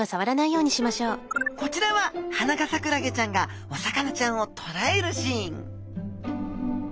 こちらはハナガサクラゲちゃんがお魚ちゃんをとらえるシーン